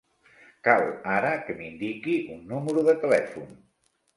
Cal ara que m'indiqui un número de telèfon.